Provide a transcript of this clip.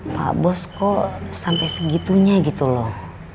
pak bos kok sampai segitunya gitu loh